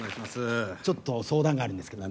ちょっと相談があるんですけど。